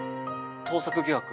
盗作疑惑。